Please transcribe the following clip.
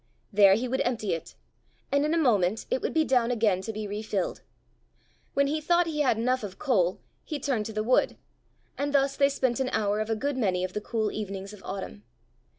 There he would empty it, and in a moment it would be down again to be re filled. When he thought he had enough of coal, he turned to the wood; and thus they spent an hour of a good many of the cool evenings of autumn.